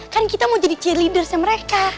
kan kita mau jadi cheerleadersnya mereka